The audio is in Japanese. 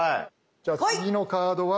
じゃあ次のカードは。